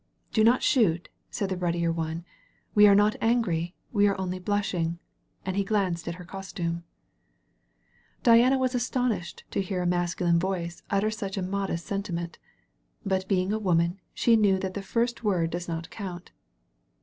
"Do not shoot," said the ruddier one; "we are not angry, we are only blushing." And he glanced at her costume. Diana was astonished to hear a masculine voice utter such a modest sentiment. But being a woman, she knew that the first word does not count.